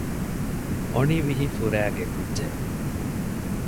އޮނިވިހި ފުރައިގެ ކުއްޖެއް